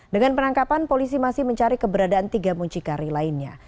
dengan penangkapan polisi masih mencari keberadaan tiga muncikari lainnya